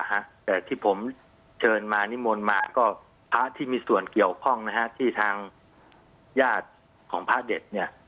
แต่ที่ผมเชิญมานิมนต์มาก็พระที่มีส่วนเกี่ยวข้องนะฮะที่ทางญาติของพระเด็ดเนี่ย